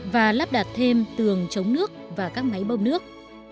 và lắp đặt thêm tường chống nước và các máy bơm nước